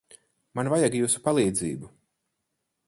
Man vajag jūsu palīdzību.